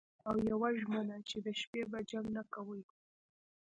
او یوه ژمنه چې د شپې به جنګ نه کوئ